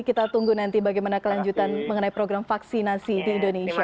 kita tunggu nanti bagaimana kelanjutan mengenai program vaksinasi di indonesia